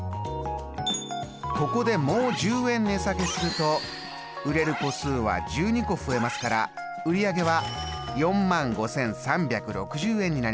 ここでもう１０円値下げすると売れる個数は１２個増えますから売り上げは４万５，３６０円になります。